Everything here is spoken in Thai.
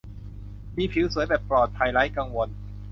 มีผิวสวยแบบปลอดภัยไร้กังวล